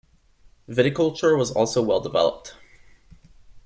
Viticulture was also well-developed.